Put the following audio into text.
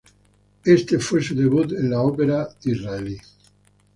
Este fue su debut en la ópera israelí.